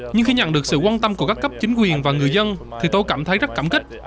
nhưng khi nhận được sự quan tâm của các cấp chính quyền và người dân thì tôi cảm thấy rất cảm kích